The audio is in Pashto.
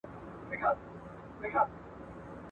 په هغه ورځ یې مرګی ورسره مل وي